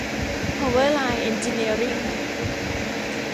เพาเวอร์ไลน์ เอ็นจิเนียริ่ง